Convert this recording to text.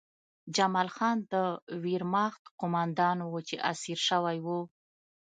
جمال خان د ویرماخت قومندان و چې اسیر شوی و